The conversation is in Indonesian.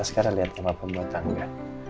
sekarang liat apa buat tangga